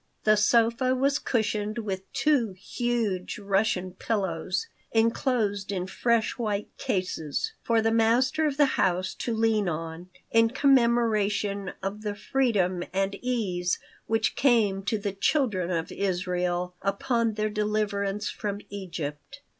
The sofa was cushioned with two huge Russian pillows, inclosed in fresh white cases, for the master of the house to lean on, in commemoration of the freedom and ease which came to the Children of Israel upon their deliverance from Egypt.